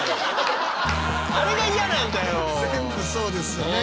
全部そうですよね。